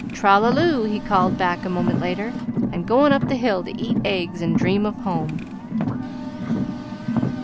"Tra la loo!" he called back a moment later. "I'm goin' up the hill to eat eggs and dream of home."